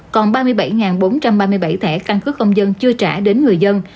còn ba mươi bảy bốn trăm ba mươi bảy thẻ căn cứ công dân chưa trả đến người dân